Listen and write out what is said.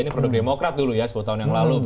ini produk demokrat dulu ya sepuluh tahun yang lalu